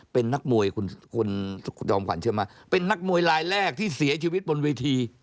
เป็นนักมวยคุณคุณจอมขวัญเชื่อไหมเป็นนักมวยลายแรกที่เสียชีวิตบนเวที